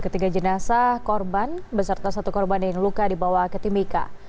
ketiga jenazah korban beserta satu korban yang luka dibawa ke timika